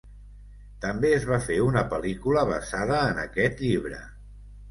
També es va fer una pel·lícula basada en aquest llibre.